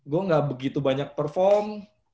gue gak begitu banyak perform